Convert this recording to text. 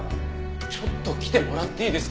ちょっと来てもらっていいですか。